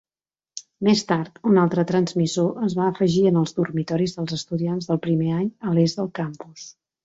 Més tard, un altre transmissor es va afegir en els dormitoris dels estudiants del primer any a l'est del campus.